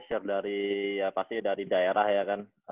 terlalu banyak pressure dari ya pasti dari daerah ya kan